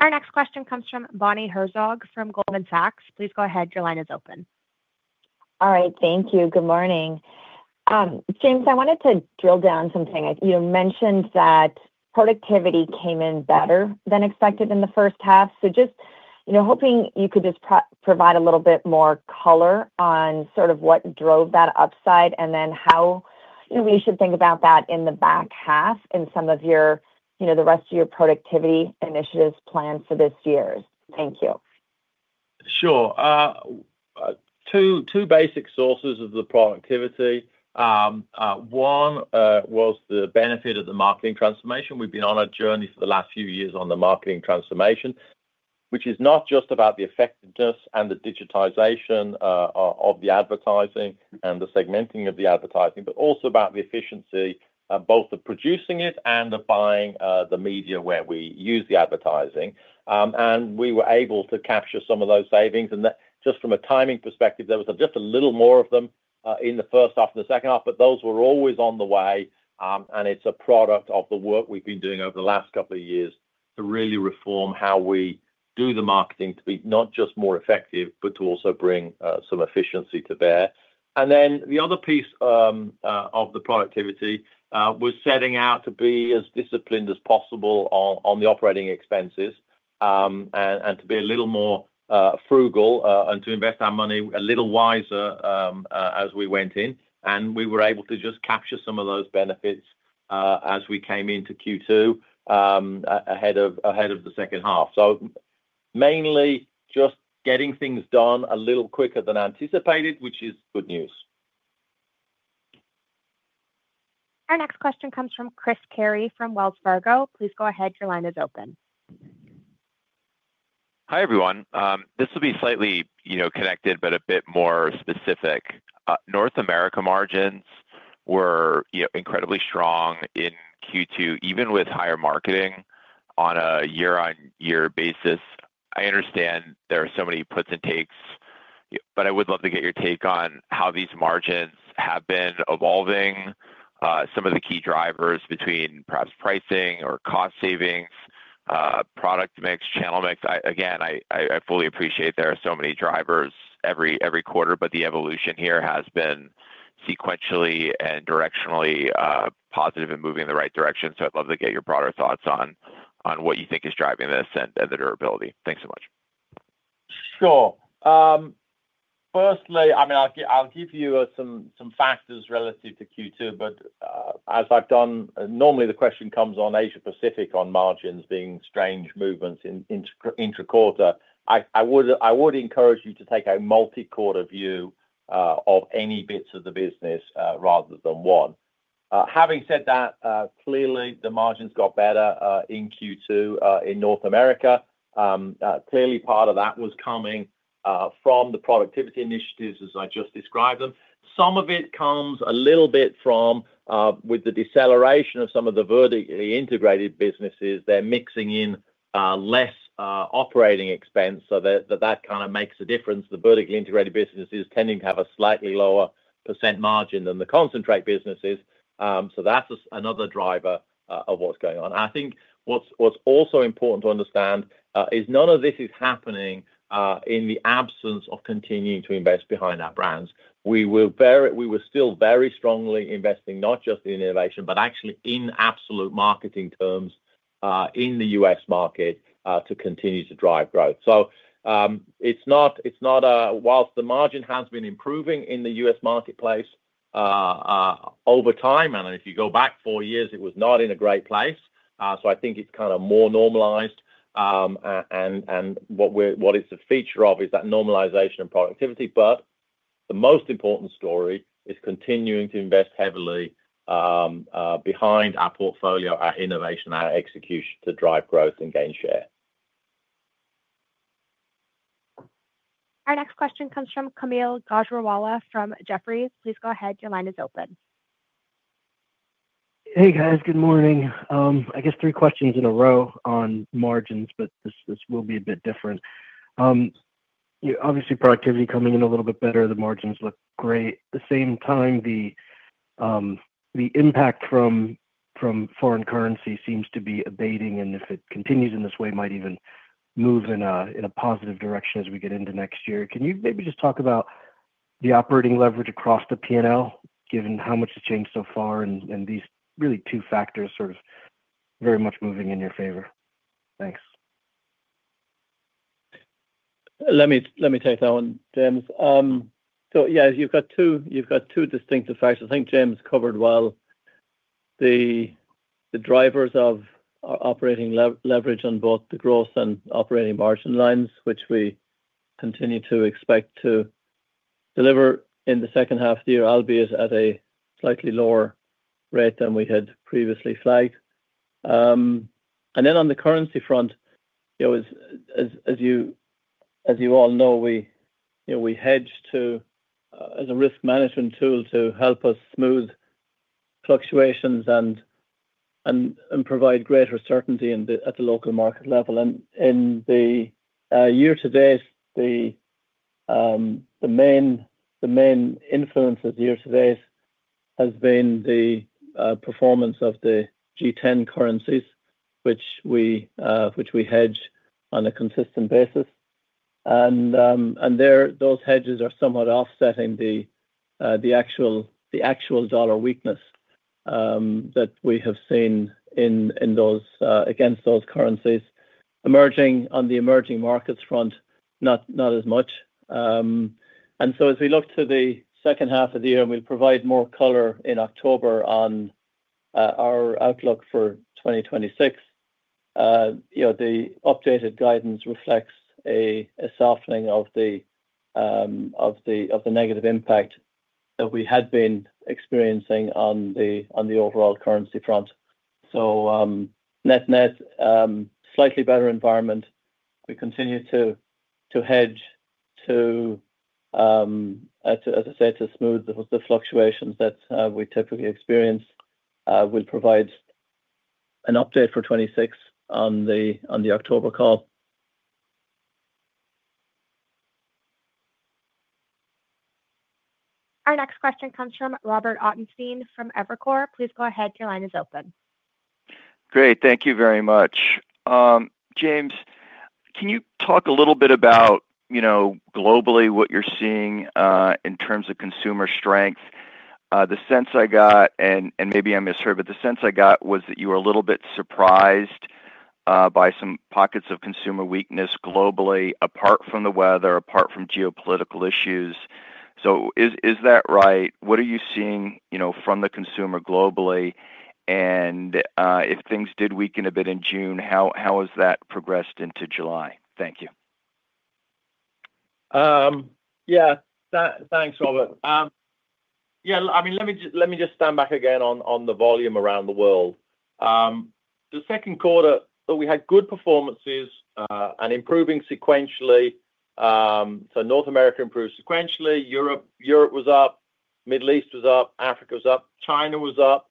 Our next question comes from Bonnie Herzog from Goldman Sachs. Please go ahead. Your line is open. All right. Thank you. Good morning. James, I wanted to drill down something. You mentioned that productivity came in better than expected in the first half. Just hoping you could just provide a little bit more color on sort of what drove that upside and then how we should think about that in the back half in some of the rest of your productivity initiatives planned for this year. Thank you. Sure. Two basic sources of the productivity. One was the benefit of the marketing transformation. We've been on a journey for the last few years on the marketing transformation, which is not just about the effectiveness and the digitization of the advertising and the segmenting of the advertising, but also about the efficiency of both producing it and of buying the media where we use the advertising. We were able to capture some of those savings. Just from a timing perspective, there was just a little more of them in the first half than the second half, but those were always on the way. It is a product of the work we've been doing over the last couple of years to really reform how we do the marketing to be not just more effective, but to also bring some efficiency to bear. The other piece of the productivity was setting out to be as disciplined as possible on the operating expenses and to be a little more frugal and to invest our money a little wiser as we went in. We were able to just capture some of those benefits as we came into Q2 ahead of the second half. Mainly just getting things done a little quicker than anticipated, which is good news. Our next question comes from Chris Carey from Wells Fargo. Please go ahead. Your line is open. Hi, everyone. This will be slightly connected, but a bit more specific. North America margins were incredibly strong in Q2, even with higher marketing on a year-on-year basis. I understand there are so many puts and takes, but I would love to get your take on how these margins have been evolving, some of the key drivers between perhaps pricing or cost savings, product mix, channel mix. Again, I fully appreciate there are so many drivers every quarter, but the evolution here has been sequentially and directionally positive and moving in the right direction. I would love to get your broader thoughts on what you think is driving this and the durability. Thanks so much. Sure. Firstly, I mean, I'll give you some factors relative to Q2, but as I've done, normally the question comes on Asia-Pacific on margins being strange movements intra-quarter. I would encourage you to take a multi-quarter view of any bits of the business rather than one. Having said that, clearly, the margins got better in Q2 in North America. Clearly, part of that was coming from the productivity initiatives, as I just described them. Some of it comes a little bit from with the deceleration of some of the vertically integrated businesses, they're mixing in less operating expense. That kind of makes a difference. The vertically integrated businesses tending to have a slightly lower percent margin than the concentrate businesses. That is another driver of what's going on. I think what's also important to understand is none of this is happening in the absence of continuing to invest behind our brands. We were still very strongly investing not just in innovation, but actually in absolute marketing terms in the U.S. market to continue to drive growth. It is not whilst the margin has been improving in the U.S. marketplace over time. If you go back four years, it was not in a great place. I think it's kind of more normalized. What it's a feature of is that normalization and productivity. The most important story is continuing to invest heavily behind our portfolio, our innovation, our execution to drive growth and gain share. Our next question comes from Kaumil Gajrawala from Jefferies. Please go ahead. Your line is open. Hey, guys. Good morning. I guess three questions in a row on margins, but this will be a bit different. Obviously, productivity coming in a little bit better. The margins look great. At the same time, the impact from foreign currency seems to be abating. If it continues in this way, might even move in a positive direction as we get into next year. Can you maybe just talk about the operating leverage across the P&L, given how much has changed so far and these really two factors sort of very much moving in your favor? Thanks. Let me take that one, James. Yeah, you've got two distinctive factors. I think James covered well the drivers of our operating leverage on both the gross and operating margin lines, which we continue to expect to deliver in the second half of the year, albeit at a slightly lower rate than we had previously flagged. On the currency front, as you all know, we hedge as a risk management tool to help us smooth fluctuations and provide greater certainty at the local market level. In the year to date, the main influence of year to date has been the performance of the G10 currencies, which we hedge on a consistent basis. Those hedges are somewhat offsetting the actual dollar weakness that we have seen against those currencies. Emerging on the emerging markets front, not as much. As we look to the second half of the year, and we'll provide more color in October on our outlook for 2026, the updated guidance reflects a softening of the negative impact that we had been experiencing on the overall currency front. Net-net, slightly better environment. We continue to hedge to, as I said, to smooth the fluctuations that we typically experience. We'll provide an update for 2026 on the October call. Our next question comes from Robert Ottenstein from Evercore. Please go ahead. Your line is open. Great. Thank you very much. James, can you talk a little bit about globally what you're seeing in terms of consumer strength? The sense I got, and maybe I misheard, but the sense I got was that you were a little bit surprised by some pockets of consumer weakness globally, apart from the weather, apart from geopolitical issues. Is that right? What are you seeing from the consumer globally? If things did weaken a bit in June, how has that progressed into July? Thank you. Yeah. Thanks, Robert. Yeah. I mean, let me just stand back again on the volume around the world. The second quarter, we had good performances and improving sequentially. North America improved sequentially. Europe was up. Middle East was up. Africa was up. China was up.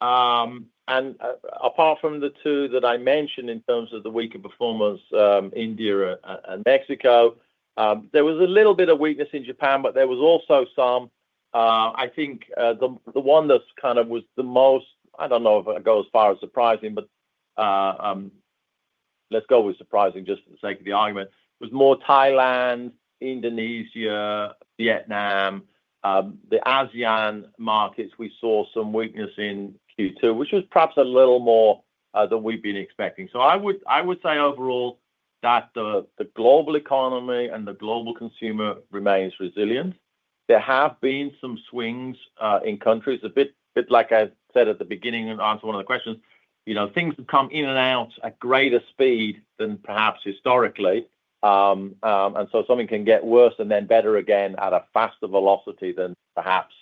Apart from the two that I mentioned in terms of the weaker performance, India and Mexico, there was a little bit of weakness in Japan, but there was also some. I think the one that kind of was the most, I do not know if I would go as far as surprising, but let's go with surprising just for the sake of the argument, was more Thailand, Indonesia, Vietnam. The ASEAN markets, we saw some weakness in Q2, which was perhaps a little more than we have been expecting. I would say overall that the global economy and the global consumer remains resilient. There have been some swings in countries, a bit like I said at the beginning and answered one of the questions. Things have come in and out at greater speed than perhaps historically. Something can get worse and then better again at a faster velocity than perhaps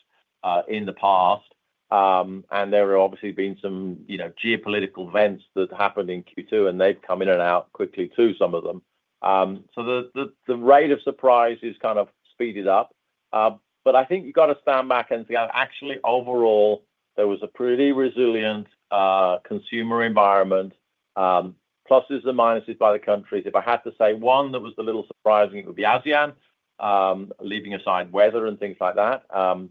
in the past. There have obviously been some geopolitical events that happened in Q2, and they have come in and out quickly too, some of them. The rate of surprise has kind of speeded up. I think you've got to stand back and say, actually, overall, there was a pretty resilient consumer environment, pluses and minuses by the countries. If I had to say one that was a little surprising, it would be ASEAN, leaving aside weather and things like that.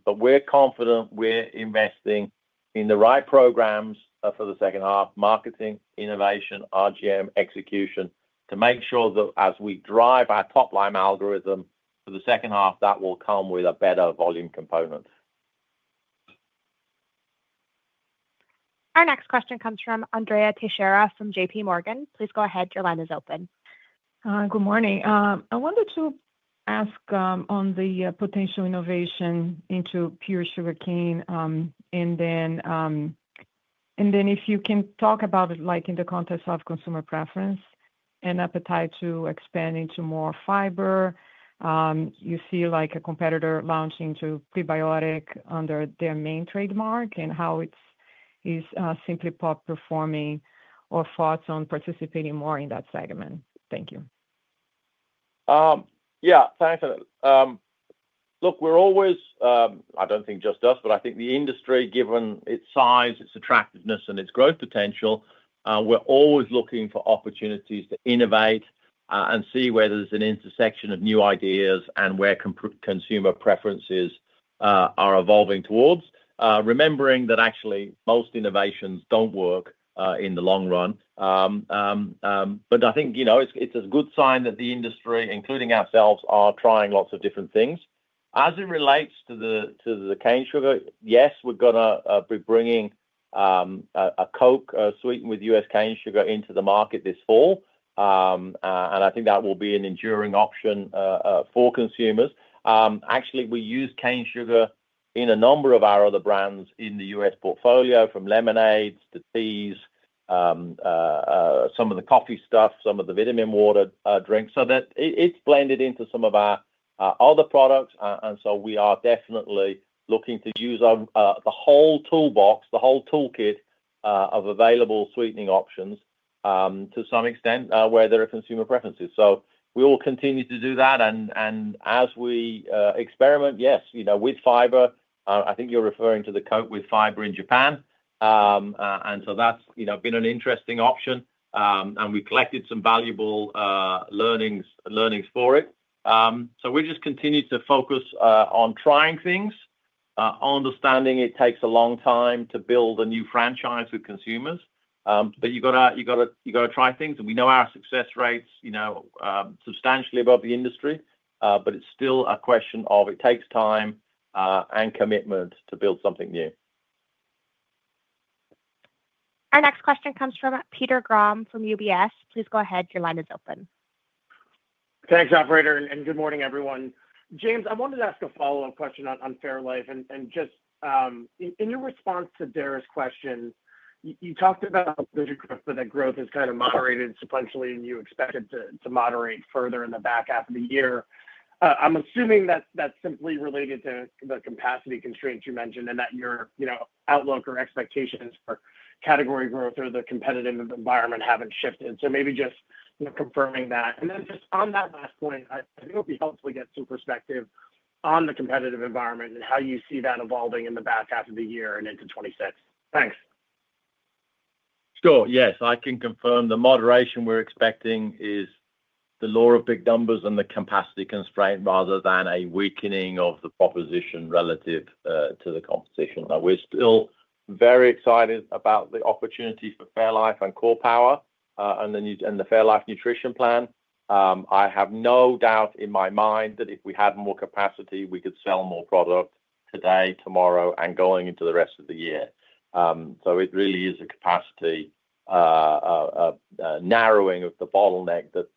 We're confident we're investing in the right programs for the second half: marketing, innovation, RGM, execution to make sure that as we drive our top-line algorithm for the second half, that will come with a better volume component. Our next question comes from Andrea Teixeira from JP Morgan. Please go ahead. Your line is open. Good morning. I wanted to ask on the potential innovation into pure sugarcane. If you can talk about it in the context of consumer preference and appetite to expand into more fiber, you see a competitor launching a prebiotic under their main trademark and how it's simply performing or thoughts on participating more in that segment. Thank you. Yeah. Thanks for that. Look, we're always—I do not think just us, but I think the industry, given its size, its attractiveness, and its growth potential, we're always looking for opportunities to innovate and see where there's an intersection of new ideas and where consumer preferences are evolving towards, remembering that actually most innovations do not work in the long run. I think it's a good sign that the industry, including ourselves, are trying lots of different things. As it relates to the cane sugar, yes, we're going to be bringing a Coke sweetened with U.S. cane sugar into the market this fall. I think that will be an enduring option for consumers. Actually, we use cane sugar in a number of our other brands in the U.S. portfolio, from lemonades to teas, some of the coffee stuff, some of the vitaminwater drinks. It is blended into some of our other products. We are definitely looking to use the whole toolbox, the whole toolkit of available sweetening options to some extent where there are consumer preferences. We will continue to do that. As we experiment, yes, with fiber, I think you are referring to the Coke with fiber in Japan. That has been an interesting option. We have collected some valuable learnings for it. We are just continuing to focus on trying things, understanding it takes a long time to build a new franchise with consumers. You have got to try things. We know our success rate is substantially above the industry, but it's still a question of it takes time and commitment to build something new. Our next question comes from Peter Grom from UBS. Please go ahead. Your line is open. Thanks, operator. Good morning, everyone. James, I wanted to ask a follow-up question on Fairlife. In your response to Dara's question, you talked about the growth, but that growth has kind of moderated sequentially, and you expect it to moderate further in the back half of the year. I'm assuming that's simply related to the capacity constraints you mentioned and that your outlook or expectations for category growth or the competitive environment have not shifted. Maybe just confirming that. On that last point, I think it would be helpful to get some perspective on the competitive environment and how you see that evolving in the back half of the year and into 2026. Thanks. Sure. Yes. I can confirm the moderation we're expecting is the lower big numbers and the capacity constraint rather than a weakening of the proposition relative to the competition. We're still very excited about the opportunity for fairlife and Core Power and the Fairlife Nutrition Plan. I have no doubt in my mind that if we had more capacity, we could sell more product today, tomorrow, and going into the rest of the year. It really is a capacity narrowing of the bottleneck that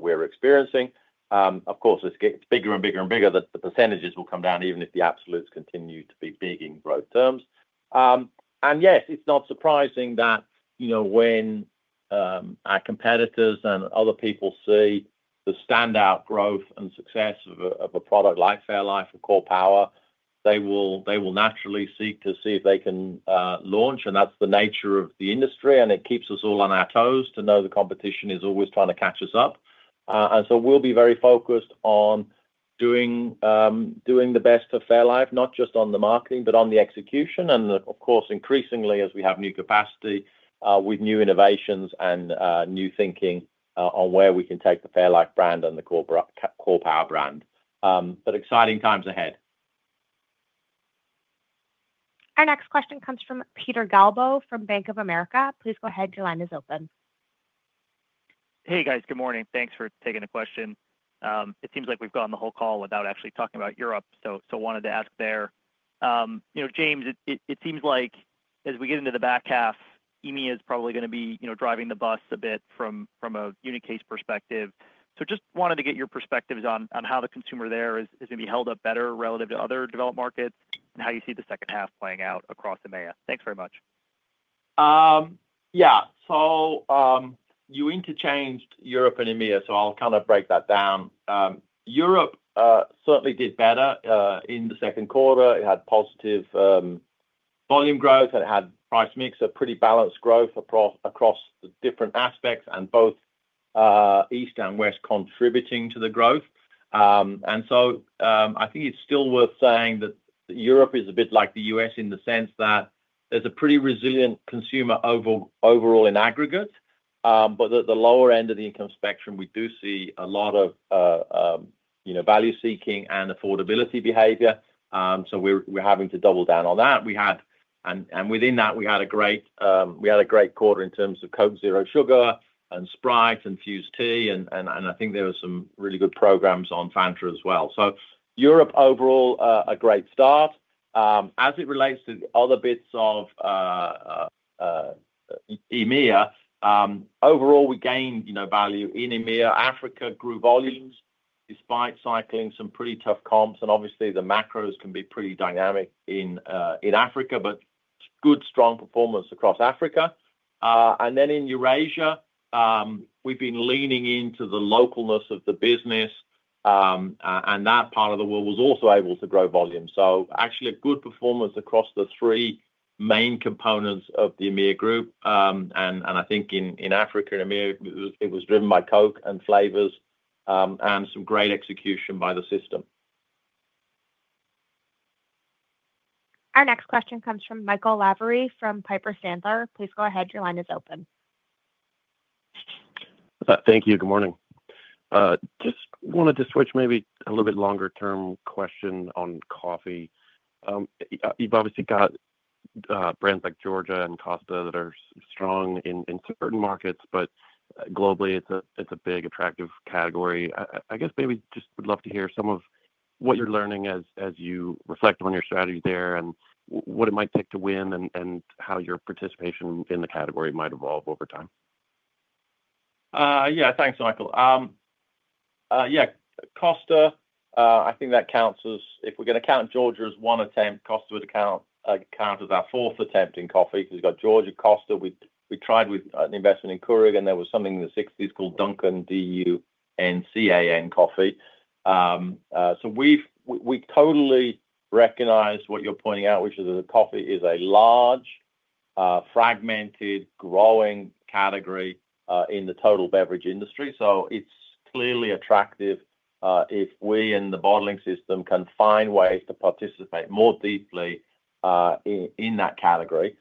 we're experiencing. Of course, as it gets bigger and bigger and bigger, the percentages will come down even if the absolutes continue to be big in growth terms. Yes, it's not surprising that when our competitors and other people see the standout growth and success of a product like fairlife and Core Power, they will naturally seek to see if they can launch. That's the nature of the industry. It keeps us all on our toes to know the competition is always trying to catch us up. We'll be very focused on doing the best for fairlife, not just on the marketing, but on the execution. Of course, increasingly, as we have new capacity with new innovations and new thinking on where we can take the fairlife brand and the Core Power brand. Exciting times ahead. Our next question comes from Peter Galbo from Bank of America. Please go ahead. Your line is open. Hey, guys. Good morning. Thanks for taking the question. It seems like we've gone the whole call without actually talking about Europe. So wanted to ask there. James, it seems like as we get into the back half, EMEA is probably going to be driving the bus a bit from a unit case perspective. So just wanted to get your perspectives on how the consumer there is going to be held up better relative to other developed markets and how you see the second half playing out across EMEA. Thanks very much. Yeah. So you interchanged Europe and EMEA, so I'll kind of break that down. Europe certainly did better in the second quarter. It had positive volume growth, and it had price mix of pretty balanced growth across different aspects, and both East and West contributing to the growth. I think it's still worth saying that Europe is a bit like the U.S. in the sense that there's a pretty resilient consumer overall in aggregate, but at the lower end of the income spectrum, we do see a lot of value-seeking and affordability behavior. We're having to double down on that. Within that, we had a great quarter in terms of Coca-Cola Zero Sugar and Sprite and Fuze Tea. I think there were some really good programs on Fanta as well. Europe overall, a great start. As it relates to other bits of EMEA, overall, we gained value in EMEA. Africa grew volumes despite cycling some pretty tough comps. Obviously, the macros can be pretty dynamic in Africa, but good strong performance across Africa. In Eurasia, we've been leaning into the localness of the business, and that part of the world was also able to grow volume. Actually, good performance across the three main components of the EMEA group. I think in Africa and EMEA, it was driven by Coke and flavors and some great execution by the system. Our next question comes from Michael Lavery from Piper Sandler. Please go ahead. Your line is open. Thank you. Good morning. Just wanted to switch, maybe a little bit longer-term question on coffee. You've obviously got brands like Georgia and Costa that are strong in certain markets, but globally, it's a big attractive category. I guess maybe just would love to hear some of what you're learning as you reflect on your strategy there and what it might take to win and how your participation in the category might evolve over time. Yeah. Thanks, Michael. Yeah. Costa, I think that counts as if we're going to count Georgia as one attempt, Costa would count as our fourth attempt in coffee because we've got Georgia, Costa. We tried with an investment in Keurig, and there was something in the 1960s called Duncan D-U-N-C-A-N Coffee. We totally recognize what you're pointing out, which is that coffee is a large, fragmented, growing category in the total beverage industry. It is clearly attractive if we and the bottling system can find ways to participate more deeply in that category.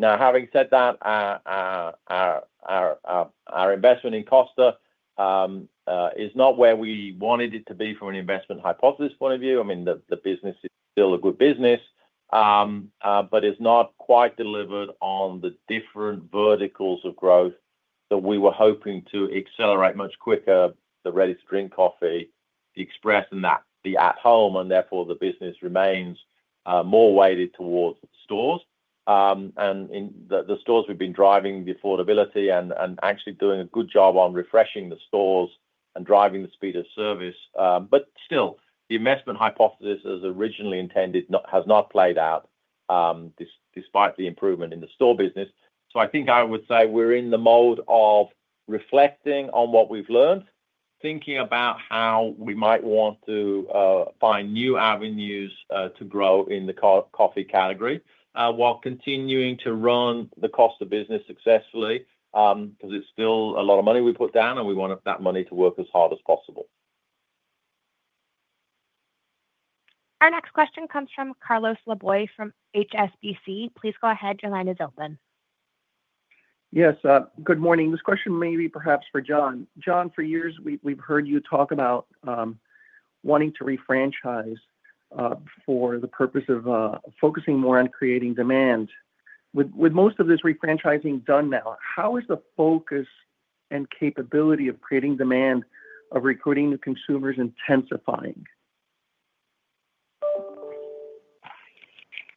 Now, having said that, our investment in Costa is not where we wanted it to be from an investment hypothesis point of view. I mean, the business is still a good business, but it's not quite delivered on the different verticals of growth that we were hoping to accelerate much quicker: the ready-to-drink coffee, the express, and the at-home. Therefore, the business remains more weighted towards stores. The stores, we've been driving the affordability and actually doing a good job on refreshing the stores and driving the speed of service. Still, the investment hypothesis as originally intended has not played out despite the improvement in the store business. I think I would say we're in the mode of reflecting on what we've learned, thinking about how we might want to find new avenues to grow in the coffee category while continuing to run the Costa business successfully because it's still a lot of money we put down, and we want that money to work as hard as possible. Our next question comes from Carlos Laboy from HSBC. Please go ahead. Your line is open. Yes. Good morning. This question may be perhaps for John. John, for years, we've heard you talk about wanting to refranchise for the purpose of focusing more on creating demand. With most of this refranchising done now, how is the focus and capability of creating demand of recruiting the consumers intensifying?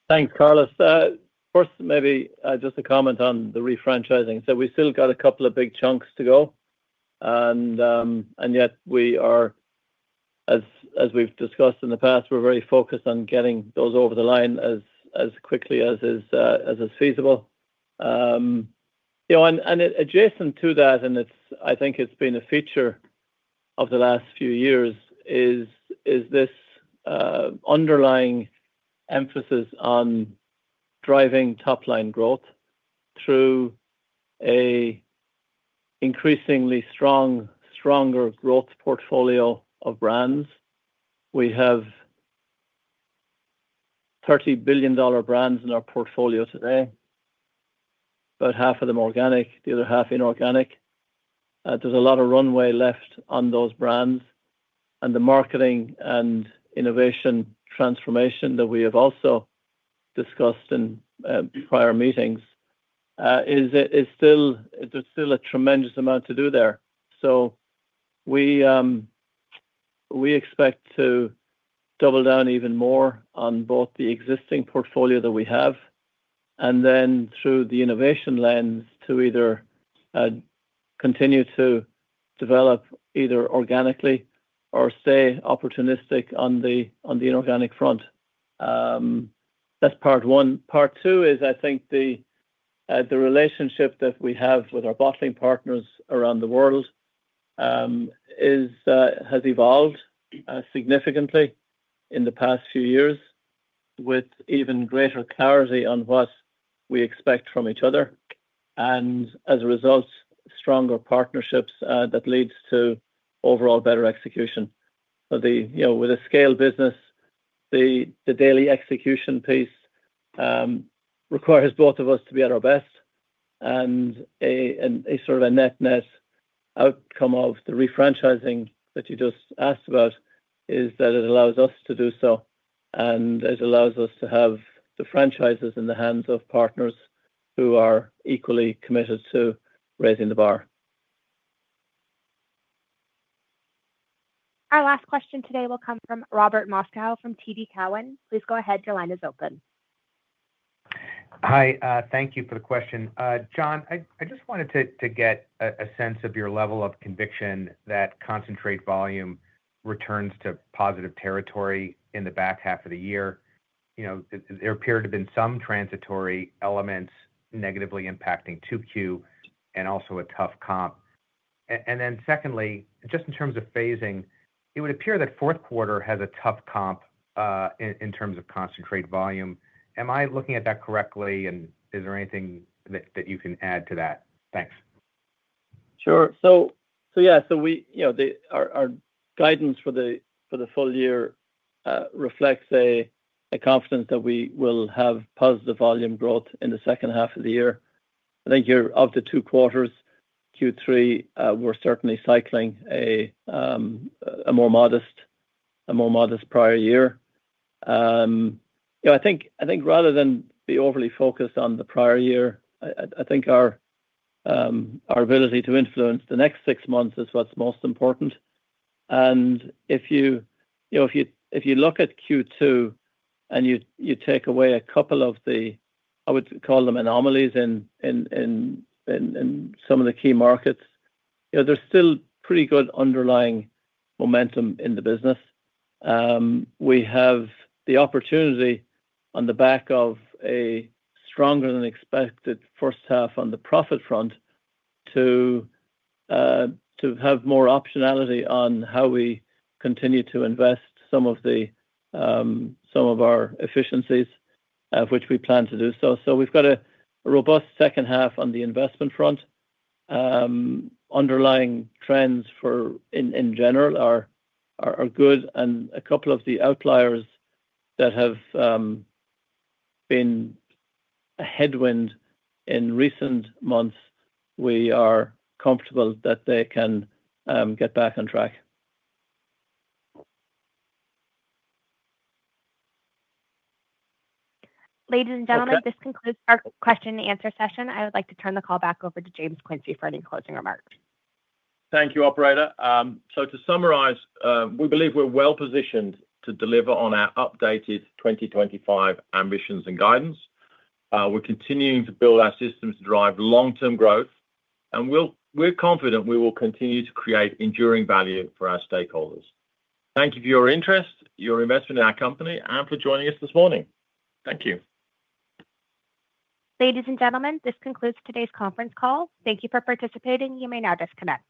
Thanks, Carlos. First, maybe just a comment on the refranchising. We've still got a couple of big chunks to go. Yet, as we've discussed in the past, we're very focused on getting those over the line as quickly as is feasible. Adjacent to that, and I think it's been a feature of the last few years, is this underlying emphasis on driving top-line growth through an increasingly stronger growth portfolio of brands. We have $30 billion brands in our portfolio today, about half of them organic, the other half inorganic. There's a lot of runway left on those brands. The marketing and innovation transformation that we have also discussed in prior meetings is still a tremendous amount to do there. We expect to double down even more on both the existing portfolio that we have and then through the innovation lens to either continue to develop either organically or stay opportunistic on the inorganic front. That's part one. Part two is, I think, the relationship that we have with our bottling partners around the world has evolved significantly in the past few years with even greater clarity on what we expect from each other. As a result, stronger partnerships that lead to overall better execution. With a scale business, the daily execution piece requires both of us to be at our best. Sort of a net-ness outcome of the refranchising that you just asked about is that it allows us to do so. It allows us to have the franchises in the hands of partners who are equally committed to raising the bar. Our last question today will come from Robert Moskow from TD Cowen. Please go ahead. Your line is open. Hi. Thank you for the question. John, I just wanted to get a sense of your level of conviction that concentrate volume returns to positive territory in the back half of the year. There appear to have been some transitory elements negatively impacting 2Q and also a tough comp. Secondly, just in terms of phasing, it would appear that fourth quarter has a tough comp in terms of concentrate volume. Am I looking at that correctly, and is there anything that you can add to that? Thanks. Sure. Yeah. Our guidance for the full year reflects a confidence that we will have positive volume growth in the second half of the year. I think here after two quarters, Q3, we're certainly cycling a more modest prior year. I think rather than be overly focused on the prior year, I think our ability to influence the next six months is what's most important. If you look at Q2 and you take away a couple of the, I would call them anomalies in some of the key markets, there is still pretty good underlying momentum in the business. We have the opportunity on the back of a stronger-than-expected first half on the profit front to have more optionality on how we continue to invest some of our efficiencies, which we plan to do so. We have a robust second half on the investment front. Underlying trends in general are good. A couple of the outliers that have been a headwind in recent months, we are comfortable that they can get back on track. Ladies and gentlemen, this concludes our question-and-answer session. I would like to turn the call back over to James Quincey for any closing remarks. Thank you, Operator. To summarize, we believe we're well-positioned to deliver on our updated 2025 ambitions and guidance. We're continuing to build our systems to drive long-term growth. We're confident we will continue to create enduring value for our stakeholders. Thank you for your interest, your investment in our company, and for joining us this morning. Thank you. Ladies and gentlemen, this concludes today's conference call. Thank you for participating. You may now disconnect.